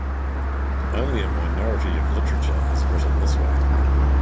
Only a minority of literature is written this way.